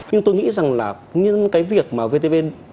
nhưng tôi nghĩ rằng là những cái việc mà vtv